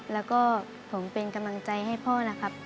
แล้วก็ผมเป็นกำลังใจให้พ่อนะครับ